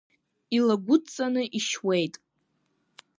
Илагәыдҵаны ишьуеит.